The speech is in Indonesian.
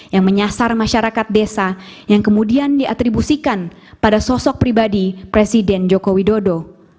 yang menyasar masyarakat desa yang kemudian diatribusikan pada sosok pribadi presiden joko widodo